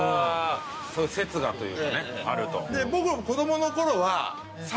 そういう説がというかねあると。